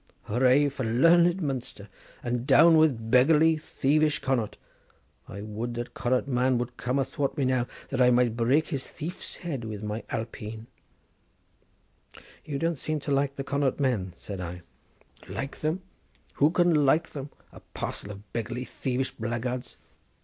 '" "Hoorah for learned Munster! and down with beggarly, thievish Connaught! I would that a Connaught man would come athwart me now, that I might break his thief's head with my Alpeen." "You don't seem to like the Connaught men," said I. "Like them! who can like them? a parcel of beggarly thievish blackguards.